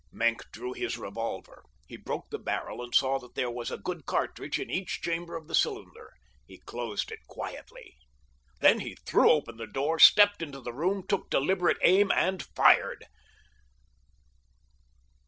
Maenck drew his revolver. He broke the barrel, and saw that there was a good cartridge in each chamber of the cylinder. He closed it quietly. Then he threw open the door, stepped into the room, took deliberate aim, and fired.